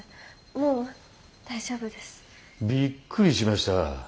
びっくりしました。